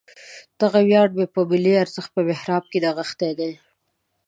دغه ویاړ مې په ملي ارزښت په محراب کې نغښتی دی.